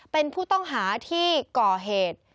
เป็นผู้ต้องหาที่ก่อเหตุ